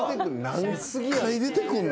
何回出てくんねん。